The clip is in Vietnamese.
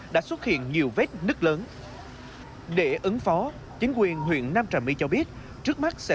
đã xuất hiện nhiều vết nứt lớn để ứng phó chính quyền huyện nam trà my cho biết trước mắt sẽ